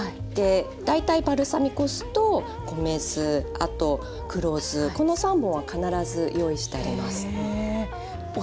大体バルサミコ酢と米酢あと黒酢この３本は必ず用意してあります。